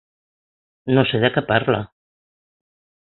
No sé de què parla.